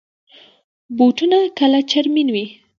بوټونه کله چرمین وي.